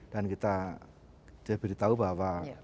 dan kita beritahu bahwa